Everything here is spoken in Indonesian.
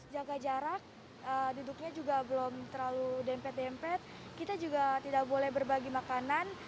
jaga jarak duduknya juga belum terlalu dempet dempet kita juga tidak boleh berbagi makanan